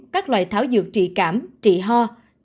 chín các loại tháo dược trị cảm trị ho